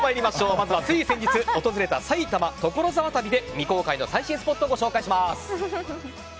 まずはつい先日訪れた埼玉・所沢旅で未公開の最新スポットご紹介します。